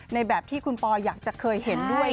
ในแบบที่คุณปออยากจะเคยเห็นด้วย